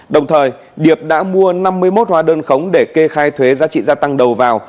đồng thời điệp đã mua năm mươi một hóa đơn khống để kê khai thuế giá trị gia tăng đầu vào